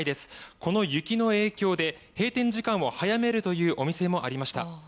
この雪の影響で閉店時間を早めるというお店もありました。